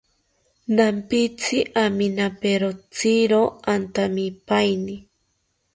Nampitzi aminaperotziro antamipaeni